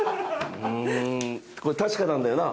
これ確かなんだよな？